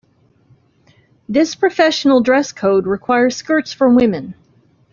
This professional dress code requires skirts for women.